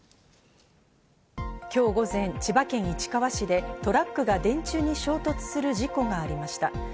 今日午前、千葉県市川市でトラックが電柱に衝突する事故がありました。